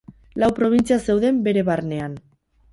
Lau probintzia zeuden bere barnean.